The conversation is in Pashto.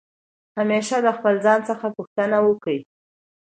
همېشه د خپل ځان څخه پوښتني وکئ!